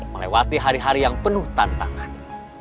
melewati hari hari yang penuh tantangan